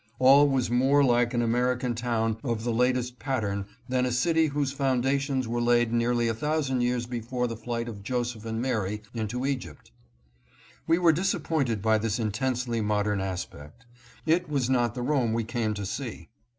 All was more like an American town of the latest pattern than a city whose foundations were laid nearly a thousand years before the flight of Joseph 894 FIRST GLIMPSE OF ROME. and Mary into Egypt. We were disappointed by this intensely modern aspect. It was not the Rome we came to see.